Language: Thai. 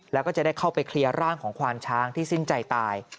แล้วก็จะได้เข้าไปเคลียร์ร่างของควานช้างที่สิ้นใจตาย